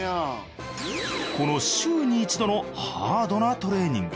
この週に１度のハードなトレーニング。